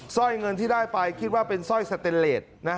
ร้อยเงินที่ได้ไปคิดว่าเป็นสร้อยสเตนเลส